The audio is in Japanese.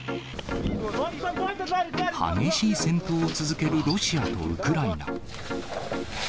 激しい戦闘を続けるロシアとウクライナ。